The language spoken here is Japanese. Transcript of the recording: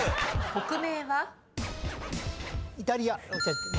国名は？